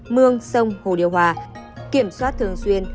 mương sông hồ điều hòa kiểm soát thường xuyên